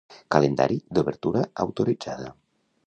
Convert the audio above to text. Calendari d'obertura autoritzada